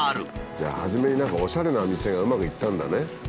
じゃあ初めに何かおしゃれな店がうまくいったんだね。